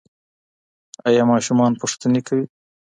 ایا ماشومان پوښتني کوي؟